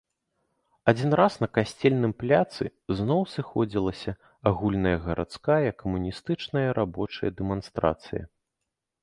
Адзін раз на касцельным пляцы зноў сыходзілася агульная гарадская камуністычная рабочая дэманстрацыя.